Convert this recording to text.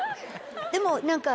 でも何か。